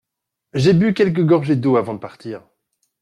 J’ai bu quelques gorgées d’eau avant de partir.